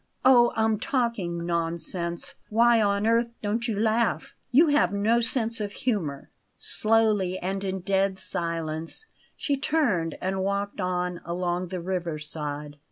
Oh! I'm talking nonsense! Why on earth don't you laugh? You have no sense of humour!" Slowly and in dead silence she turned and walked on along the river side.